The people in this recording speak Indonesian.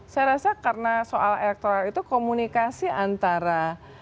saya rasa karena soal elektoral itu komunikasi antara